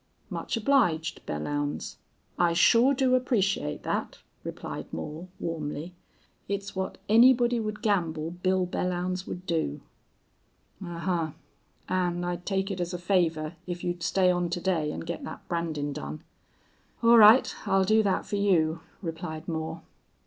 "Much obliged, Belllounds. I sure do appreciate that," replied Moore, warmly. "It's what anybody'd gamble Bill Belllounds would do." "Ahuh! An' I'd take it as a favor if you'd stay on to day an' get thet brandin' done:" "All right, I'll do that for you," replied Moore.